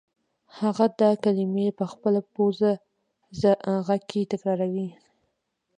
هغه دا کلمې په خپل پوزه غږ کې تکرارولې